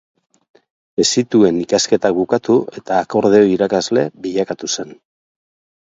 Ez zituen ikasketak bukatu eta akordeoi irakasle bilakatu zen.